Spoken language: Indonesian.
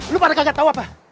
lo pada kaget tau apa